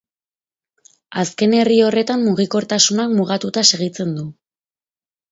Azken herri horretan mugikortasunak mugatuta segitzen du.